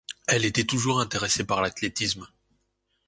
Elle était toujours intéressée par l'athlétisme.